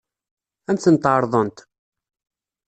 Ad m-tent-ɛeṛḍent?